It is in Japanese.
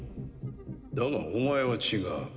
だがお前は違う。